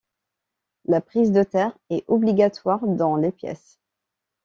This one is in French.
la prise de terre est obligatoire dans les pièces